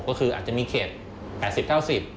ก็คืออาจจะมีเขต๘๐เท่า๑๐